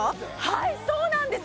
はいそうなんです！